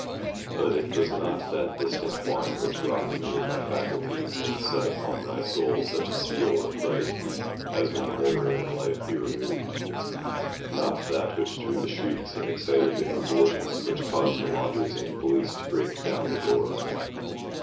But it was not that distant whine which robbed me of my faculties and set upon my soul such a seal of fright as may never in life be removed; not that which drew the shrieks and excited the convulsions which caused lodgers and police to break down the door.